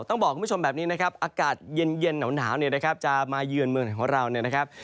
ต้องบอกคุณผู้ชมแบบนี้นะครับอากาศเย็นหนาวจะมายื่นเมืองของเรานะครับ